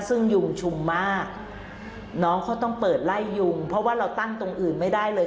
ซึ่งยุงชุมมากน้องเขาต้องเปิดไล่ยุงเพราะว่าเราตั้งตรงอื่นไม่ได้เลย